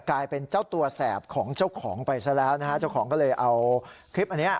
กลายเป็นเจ้าตัวแสบของเจ้าของไปซะแล้วนะฮะเจ้าของก็เลยเอาคลิปอันนี้